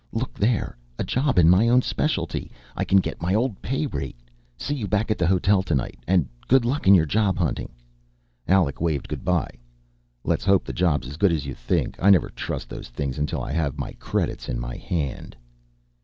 "Look there, a job in my own specialty I can get my old pay rate! See you back at the hotel tonight and good luck in your job hunting." Alec waved good by. "Let's hope the job's as good as you think, I never trust those things until I have my credits in my hand."